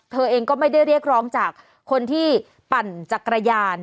เธอเองก็ไม่ได้เรียกร้องจากคนที่ปั่นจักรยาน